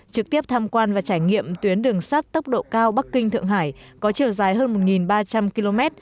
trực tiếp tham quan và trải nghiệm tuyến đường sắt tốc độ cao bắc kinh thượng hải có chiều dài hơn một ba trăm linh km